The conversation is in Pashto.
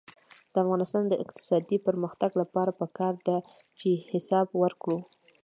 د افغانستان د اقتصادي پرمختګ لپاره پکار ده چې حساب وکړو.